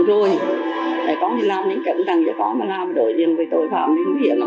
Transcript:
đổi đâu không thể gọi thành tên của người mẻ già